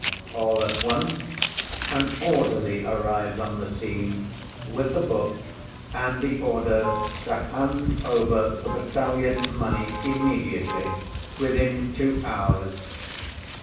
All at once an orderly arrives on the scene with the book and the order to 'hand over the battalion money immediately, within two hours.